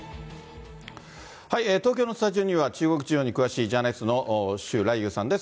東京のスタジオには中国事情に詳しい、ジャーナリストの周来友さんです。